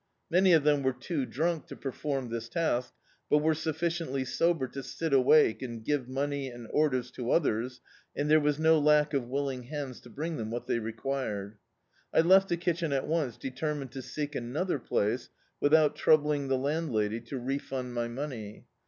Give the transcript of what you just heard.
Many of them were too drunk to perform this task, but were sufficiently sober to sit awake and ^ve money and orders to others, and there was no lack of willing hands to bring them what they required. I left the kitchen at once, determined to seek another place, without troubling the landlady to refund my money.